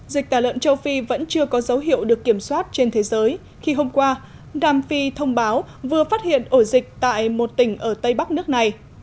dịch tả lợn châu phi vẫn chưa có dấu hiệu được kiểm soát trên thế giới khi hôm qua đàm phi thông báo vừa phát hiện ổ dịch tại một tỉnh ở tây bắc nước này